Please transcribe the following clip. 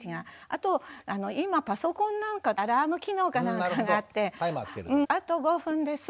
あと今パソコンなんかアラーム機能か何かがあって「あと５分です」